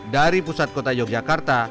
dari pusat kota yogyakarta